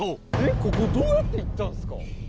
ここどうやって行ったんですか？